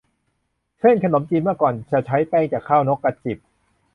เส้นขนมจีนเมื่อก่อนจะใช้แป้งจากข้าวนกกระจิบ